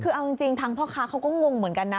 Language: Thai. คือเอาจริงทางพ่อค้าเขาก็งงเหมือนกันนะ